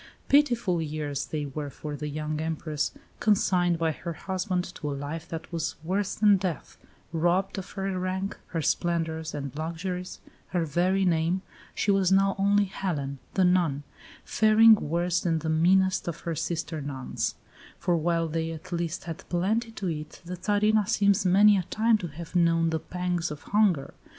Pitiful years they were for the young Empress, consigned by her husband to a life that was worse than death robbed of her rank, her splendours, and luxuries, her very name she was now only Helen, the nun, faring worse than the meanest of her sister nuns; for while they at least had plenty to eat, the Tsarina seems many a time to have known the pangs of hunger.